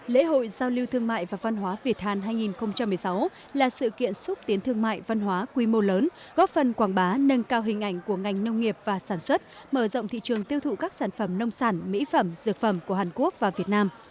lễ hội giao lưu thương mại và văn hóa việt hàn hai nghìn một mươi sáu là sự kiện xúc tiến thương mại văn hóa quy mô lớn góp phần quảng bá nâng cao hình ảnh của ngành nông nghiệp và sản xuất mở rộng thị trường tiêu thụ các sản phẩm nông sản mỹ phẩm dược phẩm của hàn quốc và việt nam